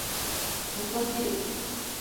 味噌汁